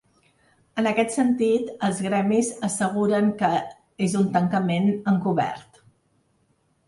En aquest sentit, els gremis asseguren que és “un tancament encobert”.